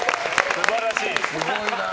素晴らしい！